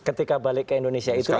ketika balik ke indonesia itu